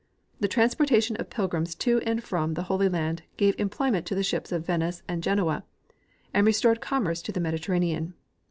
The transportation of pilgrims to and from the Holy land gave emjjloyment to the ships of Venice and Genoa and restored commerce to the Mediterranean.